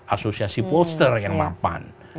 asosiasi pollster yang mapan